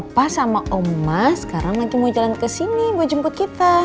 pas sama oma sekarang nanti mau jalan ke sini buat jemput kita